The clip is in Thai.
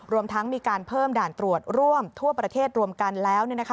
รวมทั้งมีการเพิ่มด่านตรวจร่วมทั่วประเทศรวมกันแล้ว